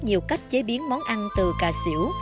nhiều cách chế biến món ăn từ cà xỉu